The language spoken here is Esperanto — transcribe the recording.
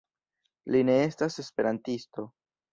Li ne estas esperantisto.